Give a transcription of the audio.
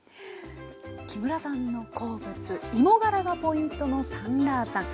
木村さんの好物芋がらがポイントのサンラータン。